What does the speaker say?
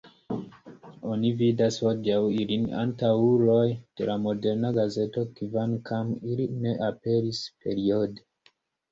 Oni vidas hodiaŭ ilin antaŭuloj de la moderna gazeto, kvankam ili ne aperis periode.